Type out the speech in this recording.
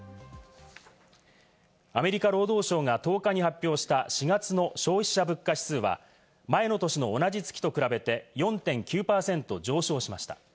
アメリカ労働省が１０日に発表した４月の消費者物価指数は前の年の同じ月と比べて４．９％上昇しました。